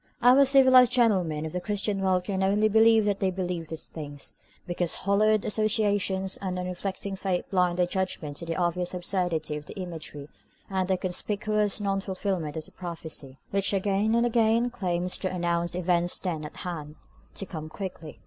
Our civilised gentlemen of the Christian World can only believe that they believe these things, because hallowed associations and unreflecting faith blind their judgment to the obvious absurdity of the imagery and the conspicuous non fulfilment of the prophecy, which again and again claims to announce events then at hand, to come quickly.